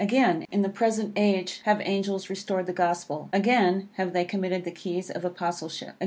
Again, in the present age, have angels restored the Gospel. Again have they committed the keys of Apostleship.